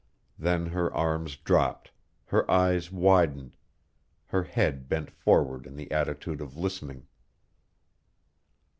Then her arms dropped, her eyes widened, her head bent forward in the attitude of listening.